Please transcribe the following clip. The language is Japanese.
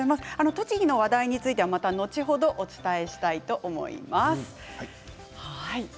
栃木の話題についてはまた後ほどお伝えしたいと思います。